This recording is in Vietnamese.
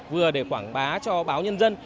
vừa để quảng bá cho báo nhân dân